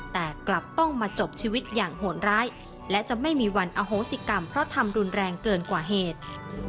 แต่กลับต้องมาจบชีวิตอย่างโหดร้ายและจะไม่มีวันอโหสิกรรมเพราะทำรุนแรงเกินกว่าเหตุ